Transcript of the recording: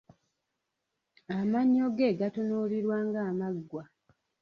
Amannyo ge gatunuulirwa ng’amaggwa.